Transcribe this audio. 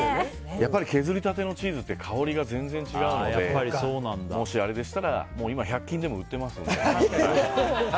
やっぱり削りたてのチーズって香りが全然違うのでもしあれでしたら今１００均でも売ってますので。